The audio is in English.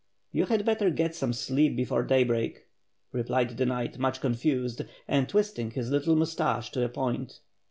"You had better get some sleep before daybreak," replied the knight, much confused, and twisting his little moustache to a point.